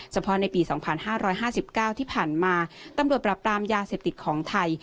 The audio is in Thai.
เฉพาะในปี๒๕๕๙ที่ผ่านมาตำรวจปรับปรามยาเสพติดของไทย